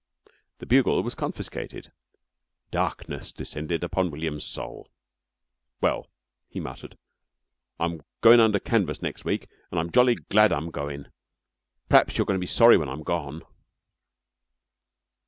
The bugle was confiscated. Darkness descended upon William's soul. "Well," he muttered, "I'm goin' under canvas next week an' I'm jolly glad I'm goin'. P'r'aps you'll be sorry when I'm gone."